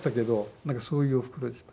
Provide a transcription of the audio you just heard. なんかそういうおふくろでした。